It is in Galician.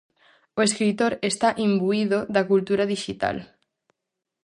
O escritor está imbuído da cultura dixital.